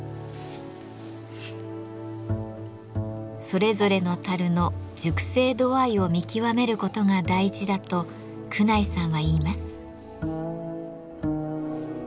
それぞれの樽の熟成度合いを見極めることが大事だと久内さんは言います。